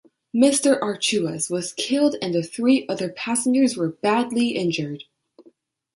Mr. Achuas was killed and the three other passengers were badly injured.